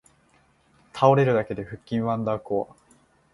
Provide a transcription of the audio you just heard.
倒れるだけで腹筋ワンダーコア